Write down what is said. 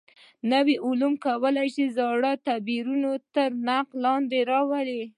نوي علوم کولای شي زاړه تعبیرونه تر نقد لاندې راولي.